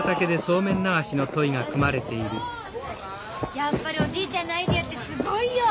やっぱりおじいちゃんのアイデアってすごいよ。